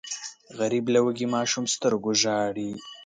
غریب له وږي ماشوم سترګو ژاړي